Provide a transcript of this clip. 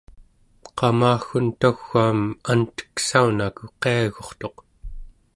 qamaggun tau͡gaam anteksaunaku qiagu'rtuq